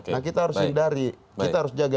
nah kita harus hindari kita harus jaga